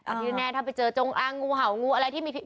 อาทิตย์แน่ถ้าไปเจอจงงูเห่างูอะไรที่มีผิด